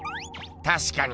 たしかに。